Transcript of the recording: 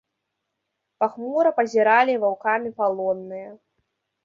Пахмура пазіралі ваўкамі палонныя.